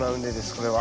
これは。